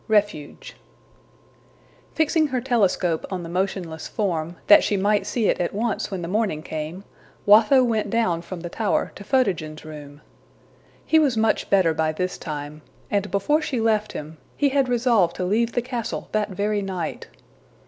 Refuge FIXING her telescope on the motionless form, that she might see it at once when the morning came, Watho went down from the tower to Photogen's room. He was much better by this time, and before she left him, he had resolved to leave the castle that very night.